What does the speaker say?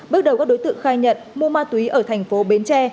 bước đầu các đối tượng khai nhận mua ma túy ở thành phố bến tre